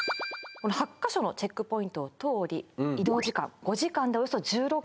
この８カ所のチェックポイントを通り移動時間５時間でおよそ